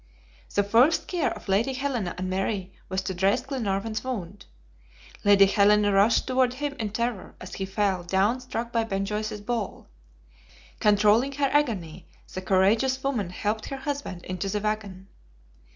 The first care of Lady Helena and Mary was to dress Glenarvan's wound. Lady Helena rushed toward him in terror, as he fell down struck by Ben Joyce's ball. Controlling her agony, the courageous woman helped her husband into the wagon.